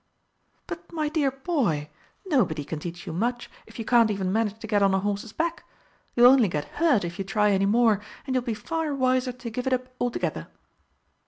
"But, my dear boy, nobody can teach you much if you can't even manage to get on a horse's back. You'll only get hurt if you try any more, and you will be far wiser to give it up altogether."